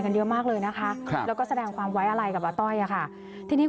เยอะมากเลยนะคะครับแล้วก็แสดงความไว้อะไรกับอาต้อยอะค่ะทีนี้